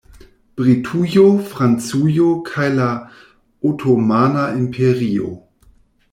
Britujo, Francujo kaj la Otomana Imperio.